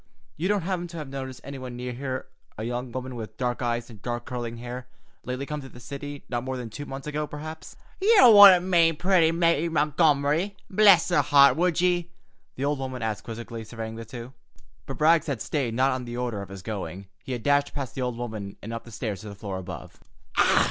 You don't happen to have noticed anywhere near here, a young woman with dark eyes and dark, curling hair, lately come to the city—not more than two months ago, perhaps?" "You wouldn't be meanin' pretty Mary Montgomery—bless her heart!—would ye?" the old woman asked quizzically, surveying the two. But Rags had stayed not on the order of his going. He had dashed past the old woman and up the stairs to the floor above.